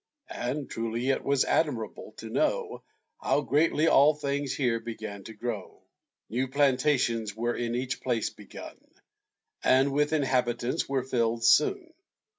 And truly it was admirable to know, How greatly all things here began to grow. New plantations were in each place begun, And with inhabitants were filled soon.